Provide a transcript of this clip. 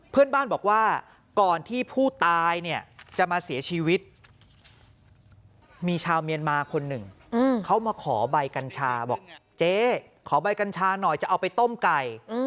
เพื่อนบ้านบอกว่าก่อนที่ผู้ตายเนี่ยจะมาเสียชีวิตมีชาวเมียนมาคนหนึ่งเขามาขอใบกัญชาบอกเจ๊ขอใบกัญชาหน่อยจะเอาไปต้มไก่